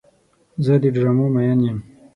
زه د ډرامو مین یم.